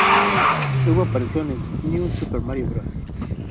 Luego aparecieron en "New Super Mario Bros.